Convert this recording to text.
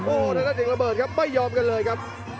โอ้แล้วเด็กระเบิดครับไม่ยอมกันเลยครับ